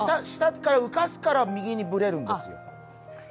下から浮かすから右にブレるんですよ。